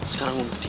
sekarang aku buktiin